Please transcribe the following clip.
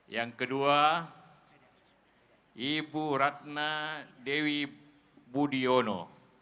yang kedua ibu ratna dewi budiono